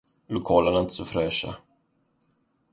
Lokalerna är inte så fräscha.